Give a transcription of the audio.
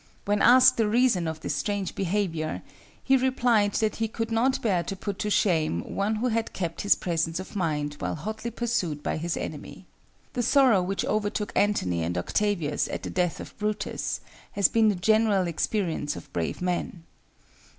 When asked the reason of his strange behavior, he replied that he could not bear to put to shame one who had kept his presence of mind while hotly pursued by his enemy. The sorrow which overtook Antony and Octavius at the death of Brutus, has been the general experience of brave men.